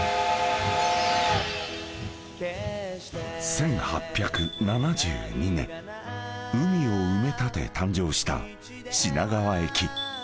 ［１８７２年海を埋め立て誕生した品川駅］